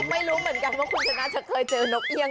ไม่รู้เหมือนกันว่าคุณชนะจะเคยเจอนกเอี่ยง